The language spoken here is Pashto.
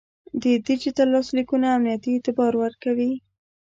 د ډیجیټل لاسلیکونه امنیتي اعتبار ورکوي.